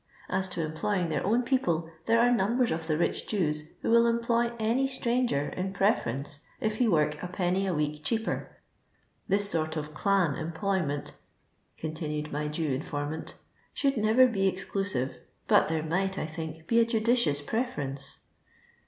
As to employing their own ])copIe, there are numben of the rich Jews who will employ any stranger in preierence. if he work a penny a week cheaper. This sort of clan, employment," continued my Jew informant, " should never be exclusive, but there might, I think, be a judicious preference."